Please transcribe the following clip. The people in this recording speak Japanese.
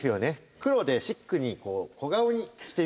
黒でシックに小顔にしてみました。